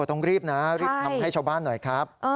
ต้องรีบนะรีบทำให้ชาวบ้านหน่อยครับ